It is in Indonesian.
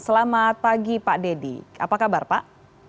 selamat pagi pak deddy apa kabar pak